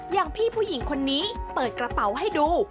อย่างพี่ผู้หญิงคนนี้เปิดกระเป๋าให้ดู